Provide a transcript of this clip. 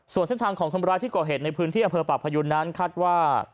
ส่วนเส้นทางของคนร้ายที่ก่อเหตุในพื้นที่อำเภอปากพยูนนั้นคาดว่า